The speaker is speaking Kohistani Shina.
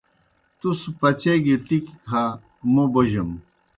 تُس پچا گیْ ٹِکیْ کھہ موْ بوجَم۔